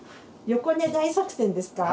横寝大作戦ですか？